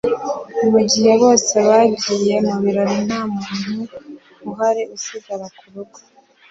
mugihe bose bagiye mubirori nta muntu uhari usigara ku rugo